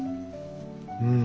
うん。